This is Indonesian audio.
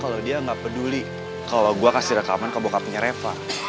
kalau dia gak peduli klo gue kasih rekaman ke bokapnya reva